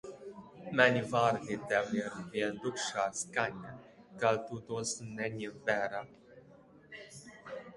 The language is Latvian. Mani vārdi tev ir vien tukša skaņa, ka tu tos neņem vērā?